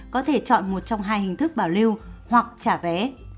có thể chọn một trong hai hình thức bảo lưu hoặc trả vé